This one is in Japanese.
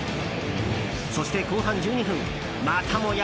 そして、後半１２分またもや